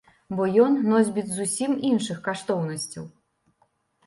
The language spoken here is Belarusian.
Бо ён носьбіт зусім іншых каштоўнасцяў.